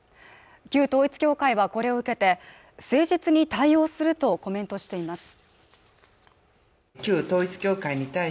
旧統一教会はこれを受けて誠実に対応するとコメントしています